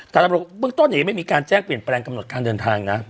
แต่เบื้องต้นเนี้ยไม่มีการแจ้งเปลี่ยนแปลงกำหนดการเดินทางนะ